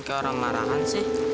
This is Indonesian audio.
ke orang marahan sih